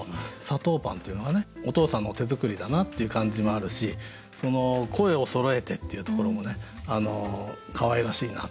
「砂糖パン」というのがねお父さんの手作りだなっていう感じもあるし「こゑを揃へて」っていうところもかわいらしいなってね。